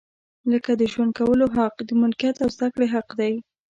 لکه د ژوند کولو حق، د ملکیت او زده کړې حق دی.